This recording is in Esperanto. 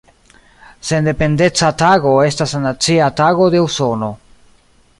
Sendependeca Tago estas la Nacia Tago de Usono.